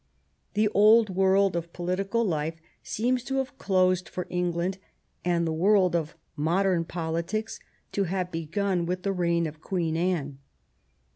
The old world of political life seems to have closed for England and the world of modern politics to have begun with the reign of Queen Anne.